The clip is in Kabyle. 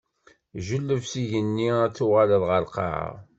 Jelleb s igenni, ad d-tuɣaleḍ ɣeṛ lqaɛa.